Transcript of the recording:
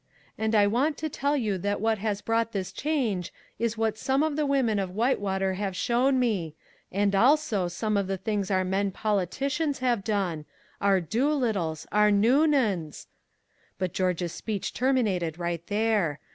"And I want to tell you that what has brought this change is what some of the women of White water have shown me and also some of the things our men politicians have done our Doolittles, our Noonans " But George's speech terminated right there.